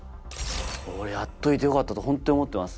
俺やっといてよかったとホントに思ってます。